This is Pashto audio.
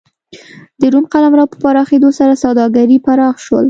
د روم قلمرو په پراخېدو سره سوداګري پراخ شول